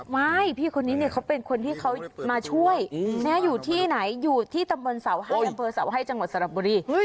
ไม่พี่คนนี้เนี่ยเขาเป็นคนที่เขามาช่วยอยู่ที่ไหนอยู่ที่ตำบลเสาให้อำเภอเสาให้จังหวัดสระบุรี